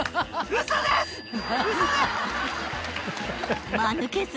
ウソです！